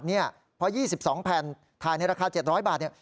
เพราะ๒๒แผ่นถ่ายในราคา๗๐๐บาท